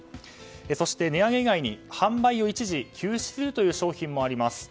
そして値上げ以外に販売を一時休止する商品もあります。